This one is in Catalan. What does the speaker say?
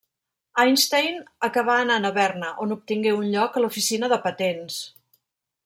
Einstein acabà anant a Berna, on obtingué un lloc a l'oficina de patents.